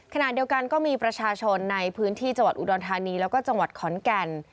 ขณะเดียวกันก็มีประชาชนในพื้นที่จังหวัดอุดรธานีแล้วก็จังหวัดขอนแก่น